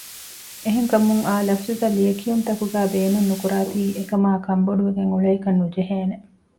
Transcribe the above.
އެހެން ކަމުން އާ ލަފުޒުތައް ލިޔެކިޔުންތަކުގައި ބޭނުން ނުކުރާތީ އެކަމާ ކަންބޮޑުވެގެން އުޅޭކަށް ނުޖެހޭނެ